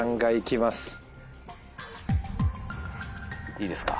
いいですか？